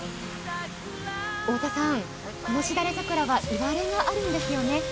太田さん、このシダレザクラにはいわれがあるんですよね？